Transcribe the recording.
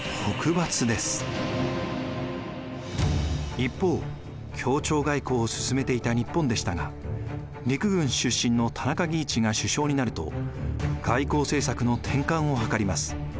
一方協調外交を進めていた日本でしたが陸軍出身の田中義一が首相になると外交政策の転換をはかります。